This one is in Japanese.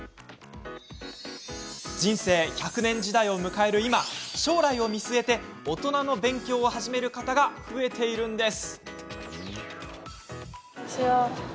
人生１００年時代を迎える今将来を見据えておとなの勉強を始める方が増えているんです。